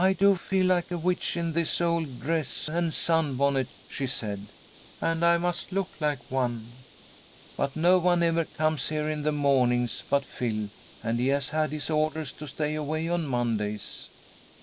"I do feel like a witch in this old dress and sunbonnet," she said, "and I must look like one. But no one ever comes here in the mornings but Phil, and he has had his orders to stay away on Mondays."